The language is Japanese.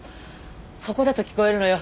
そこだと聞こえるのよ。